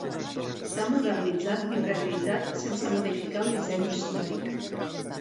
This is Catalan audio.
S'ha modernitzat i rehabilitat sense modificar el disseny històric.